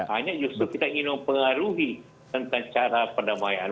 hanya justru kita ingin mempengaruhi tentang cara perdamaian